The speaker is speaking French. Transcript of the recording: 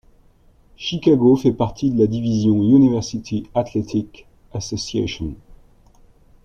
Chicago fait partie de la division University Athletic Association.